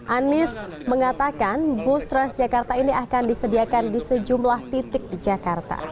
anies mengatakan bus transjakarta ini akan disediakan di sejumlah titik di jakarta